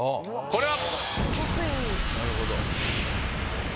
これは⁉